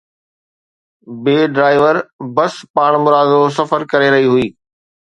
بي driver bus پاڻمرادو سفر ڪري رهي هئي